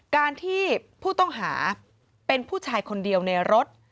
การที่ผู้ต้องหาเป็นผู้ชายคนเดียวในรถ